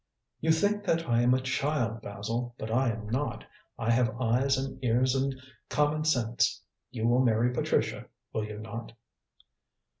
"You think that I am a child, Basil, but I am not. I have eyes and ears and common sense. You will marry Patricia, will you not?"